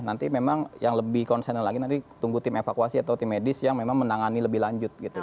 nanti memang yang lebih konsen lagi nanti tunggu tim evakuasi atau tim medis yang memang menangani lebih lanjut gitu